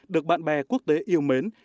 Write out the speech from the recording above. được bạn bè quốc tế yêu mến